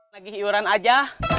nagi iuran aja